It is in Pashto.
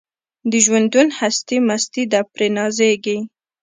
د ژوندون هستي مستي ده پرې نازیږي